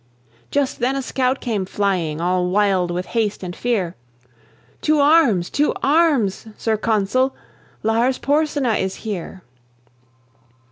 Just then a scout came flying, All wild with haste and fear: "To arms! to arms! Sir Consul; Lars Porsena is here."